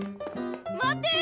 待て！